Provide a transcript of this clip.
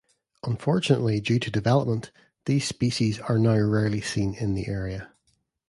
Unfortunately due to development these species are now rarely seen in the area.